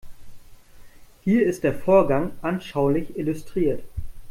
Hier ist der Vorgang anschaulich illustriert.